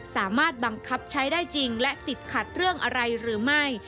สามารถบังคับใช้ได้จริงและติดขัดเรื่องอะไรหรือไม่